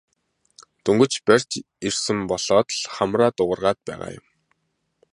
Дөнгөж барьж ирсэн болоод л хамраа дуугаргаад байгаа юм.